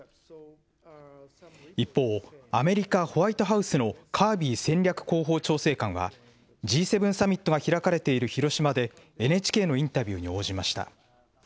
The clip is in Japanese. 一方、アメリカ・ホワイトハウスのカービー戦略広報調整官はＧ７サミットが開かれている広島でＮＨＫのインタビューに応じました。